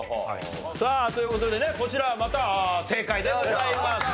さあという事でねこちらまた正解でございます。